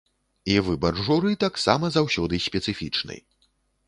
І выбар журы таксама заўсёды спецыфічны.